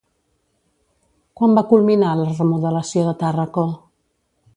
Quan va culminar la remodelació de Tàrraco?